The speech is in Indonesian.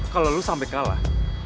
kalau lu sampai kalah